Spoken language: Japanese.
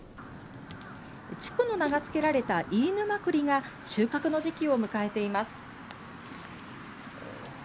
地区の名が付けられた飯沼栗が収穫の時期を迎えています。